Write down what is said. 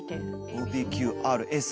ＯＰＱＲＳ。